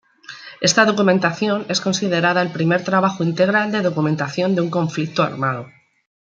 Esta documentación es considerada el primer trabajo integral de documentación de un conflicto armado.